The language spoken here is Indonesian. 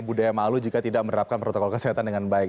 budaya malu jika tidak menerapkan protokol kesehatan dengan baik